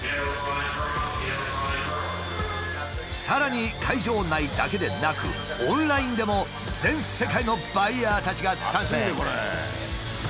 さらに会場内だけでなくオンラインでも全世界のバイヤーたちが参戦。